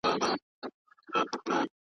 په یوه کتاب څوک نه ملا کېږي